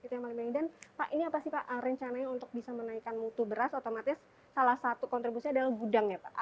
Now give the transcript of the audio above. dan pak ini apa sih pak rencananya untuk bisa menaikkan mutu beras otomatis salah satu kontribusi adalah gudang ya pak